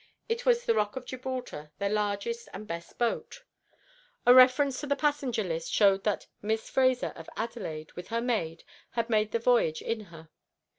It was the ROCK OF GIBRALTAR, their largest and best boat. A reference to the passenger list showed that Miss Fraser of Adelaide, with her maid, had made the voyage in her.